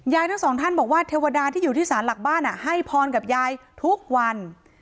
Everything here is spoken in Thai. ทั้งสองท่านบอกว่าเทวดาที่อยู่ที่สารหลักบ้านให้พรกับยายทุกวัน